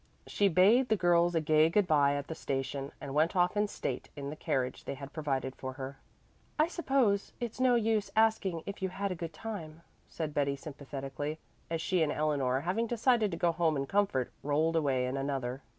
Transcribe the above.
She bade the girls a gay good bye at the station, and went off in state in the carriage they had provided for her. "I suppose it's no use asking if you had a good time," said Betty sympathetically, as she and Eleanor, having decided to go home in comfort, rolled away in another.